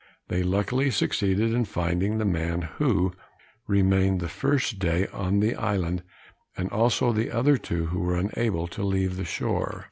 They luckily succeeded in finding the man who remained the first day on the island, and also the other two who were unable to leave the shore.